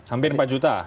hampir empat juta